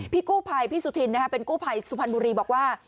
พี่กู้ภัยพี่สุธินเป็นกู้ภัยสุพรรณบุรีบอกว่า